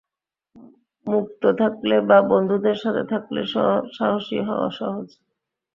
মুক্ত থাকলে বা বন্ধুদের সাথে থাকলে সাহসী হওয়া সহজ।